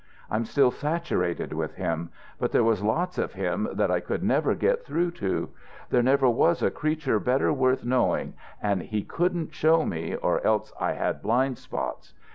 I'm still saturated with him, but there was lots of him that I could never get through to. There never was a creature better worth knowing, and he couldn't show me, or else I had blind spots.